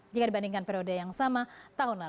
jika dibandingkan periode yang lain